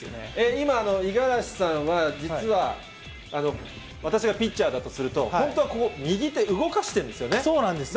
今、五十嵐さんは、実は、私がピッチャーだとすると、本当はこう、右手、動かしてるんそうなんですよ。